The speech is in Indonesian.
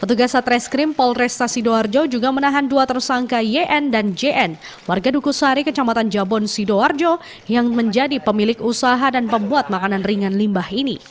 petugas satreskrim polresta sidoarjo juga menahan dua tersangka yn dan jn warga dukusari kecamatan jabon sidoarjo yang menjadi pemilik usaha dan pembuat makanan ringan limbah ini